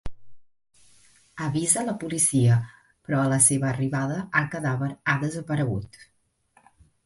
Avisa la policia però a la seva arribada el cadàver ha desaparegut.